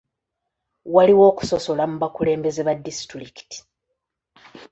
Waliwo okusosola mu bakulembeze ba disitulikiti.